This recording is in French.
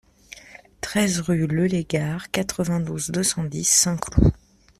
treize rue Lelégard, quatre-vingt-douze, deux cent dix, Saint-Cloud